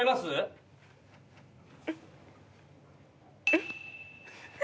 えっ？